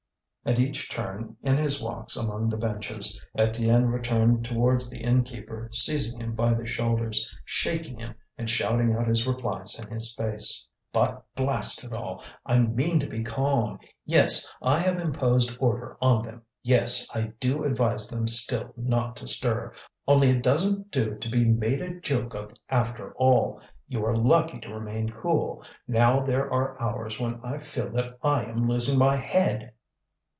At each turn in his walks among the benches, Étienne returned towards the innkeeper, seizing him by the shoulders, shaking him, and shouting out his replies in his face. "But, blast it all! I mean to be calm. Yes, I have imposed order on them! Yes, I do advise them still not to stir! only it doesn't do to be made a joke of after all! You are lucky to remain cool. Now there are hours when I feel that I am losing my head."